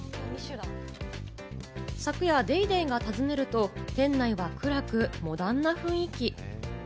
昨夜、『ＤａｙＤａｙ．』が尋ねると、店内は暗くモダンな雰囲気。